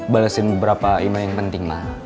balasin beberapa email yang penting ma